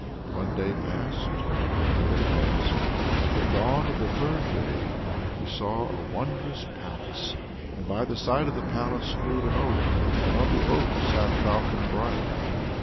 One day passed, another day passed: at the dawn of the third day he saw a wondrous palace, and by the side of the palace stood an oak, and on the oak sat a falcon bright.